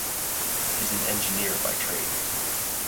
He is an engineer by trade.